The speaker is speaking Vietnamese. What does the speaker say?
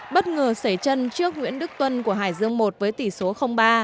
bất ngờ xảy chân trước nguyễn đức tuân của hải dương một với tỷ số ba